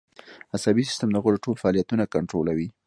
عصبي سیستم د غړو ټول فعالیتونه کنترولوي